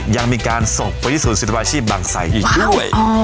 ยังมีการส่งไปที่ศูนย์สินค้าบางสายอีกด้วย